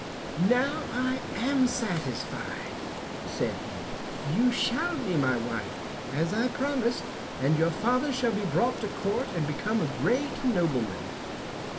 "Now I am satisfied," said he. "You shall be my wife, as I promised, and your father shall be brought to court and become a great nobleman."